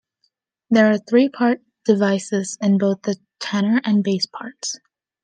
There are three-part divisis in both the tenor and bass parts.